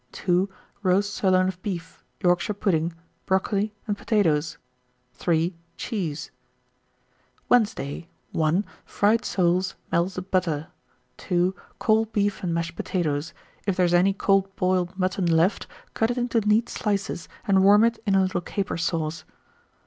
2. Roast sirloin of beef, Yorkshire pudding, brocoli, and potatoes. 3. Cheese. 1927. Wednesday. 1. Fried soles, melted butter. 2. Cold beef and mashed potatoes: if there is any cold boiled mutton left, cut it into neat slices and warm it in a little caper sauce.